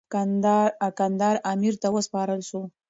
کندهار امیر ته وسپارل سو.